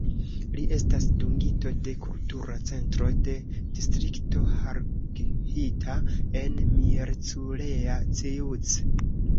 Li estas dungito de Kultura Centro de Distrikto Harghita en Miercurea Ciuc.